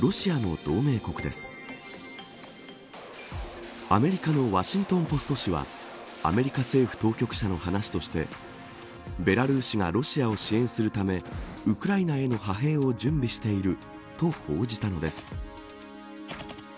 アメリカのワシントン・ポスト紙はアメリカ政府当局者の話としてベラルーシがロシアを支援するためウクライナへの派兵を準備していると報じたのです。